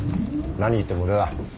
何言っても無駄だ。